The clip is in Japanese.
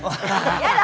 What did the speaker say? やだ！